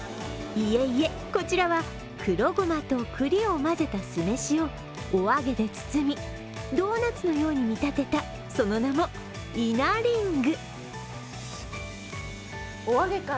いえいえこちらは黒ごまと栗を混ぜた酢飯をおあげで包み、ドーナツのように見立てたその名も、いなリング。